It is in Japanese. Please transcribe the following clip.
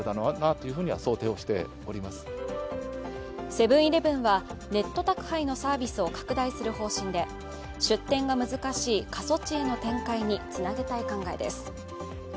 セブン−イレブンはネット宅配のサービスを拡大する方針で出店が難しい過疎地への展開につなげたい考えです。